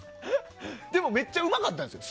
でもめっちゃうまかったですよ。